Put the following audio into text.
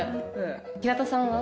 平田さんは？